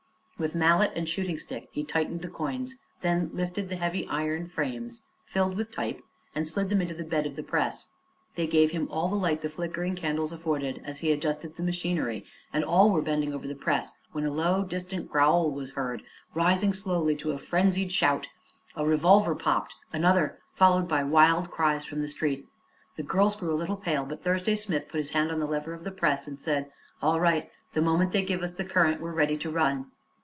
With mallet and shooting stick he tightened the quoins, then lifted the heavy iron frames filled with type and slid them onto the bed of the press. They gave him all the light the flickering candles afforded as he adjusted the machinery, and all were bending over the press when a low, distant growl was heard, rising slowly to a frenzied shout. A revolver popped another followed by wild cries from the street. The girls grew a little pale, but Thursday Smith put his hand on the lever of the press and said: "All right. The moment they give us the current we're ready to run."